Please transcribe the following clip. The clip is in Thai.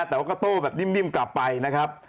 แต่ว่าก็โต้แบบนิ่มกลับไปนะครับ